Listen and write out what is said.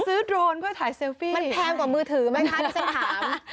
โดรนเพื่อถ่ายเซลฟี่มันแพงกว่ามือถือไหมคะที่ฉันถาม